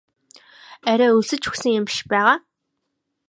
Арай өлсөж үхсэн юм биш байгаа?